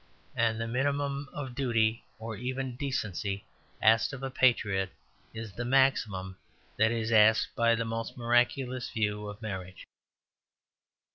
And the minimum of duty or even decency asked of a patriot is the maximum that is asked by the most miraculous view of marriage.